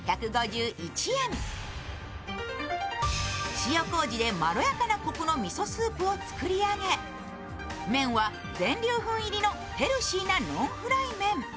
塩こうじでまろやかなこくのみそスープを作り上げ、麺は全粒粉入りのヘルシーなノンフライ麺。